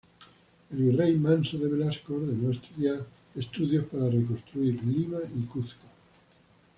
El virrey Manso de Velasco ordenó estudios para reconstruir Lima y Cuzco.